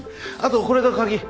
あとこれが鍵。